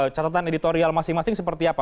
catatan editorial masing masing seperti apa